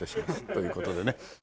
という事でね。